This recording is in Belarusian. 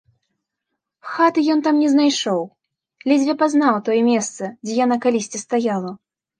Хаты ён там не знайшоў, ледзьве пазнаў тое месца, дзе яна калісьці стаяла.